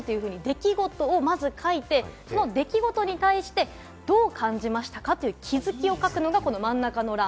出来事をまず書いて、出来事に対して、どう感じましたか？という気づきを書くのが真ん中の欄。